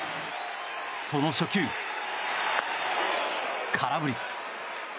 その初球、空振り。